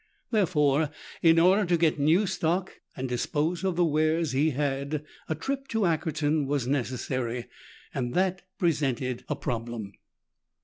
Therefore, in order to get new stock and dispose of the wares he had, a trip to Ackerton was necessary. That presented a problem.